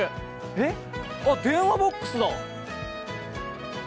えっ電話ボックスだ！